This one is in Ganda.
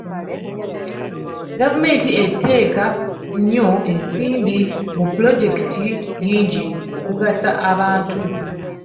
Gavumenti etteka nnyo ensimbi mu pulojekiti nnyingi okugasa abantu.